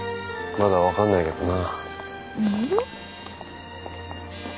まだ分かんないけどな。